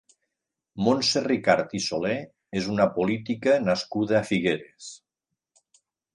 Montse Ricart i Solé és una política nascuda a Figueres.